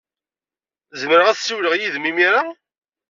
Zemreɣ ad ssiwleɣ yid-m imir-a?